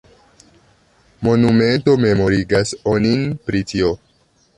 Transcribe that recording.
Monumento memorigas onin pri tio.